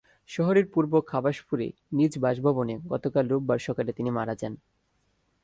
শহরের পূর্ব খাবাসপুরে নিজ বাসভবনে গতকাল রোববার সকালে তিনি মারা যান।